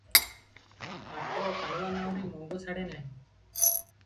ମାତ୍ର ଟାଣୁଆ ନାଉରି ମଙ୍ଗ ଛାଡ଼େ ନାହିଁ ।